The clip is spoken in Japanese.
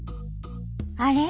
あれ？